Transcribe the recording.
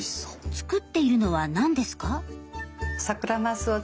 作っているのは何ですか？